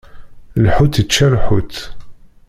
Lḥut ičča lḥut.